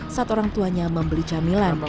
saat orang tuanya membeli camilan